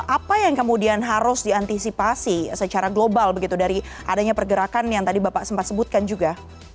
apa yang kemudian harus diantisipasi secara global begitu dari adanya pergerakan yang tadi bapak sempat sebutkan juga